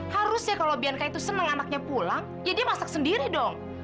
harusnya kalo bianca itu seneng anaknya pulang ya dia masak sendiri dong